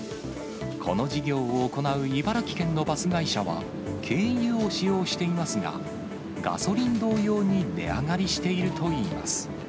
この事業を行う茨城県のバス会社は、軽油を使用していますが、ガソリン同様に値上がりしているといいます。